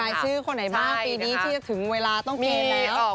ชื่อคนไหนบ้างปีนี้ที่จะถึงเวลาต้องเกณฑ์แล้ว